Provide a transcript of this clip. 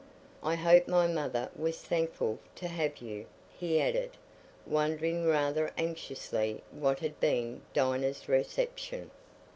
"I hope my mother was thankful to have you," he added, wondering rather anxiously what had been Dinah's reception.